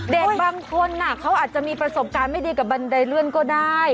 เด็กบางคนเขาอาจจะมีประสบการณ์ไม่ดีกับบันไดเลื่อนก็ได้